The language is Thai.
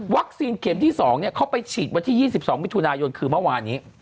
วัคซีนเข็มที่สองเนี่ยเขาไปฉีดวันที่๒๒มิถุนายนคือเมื่อวานนี้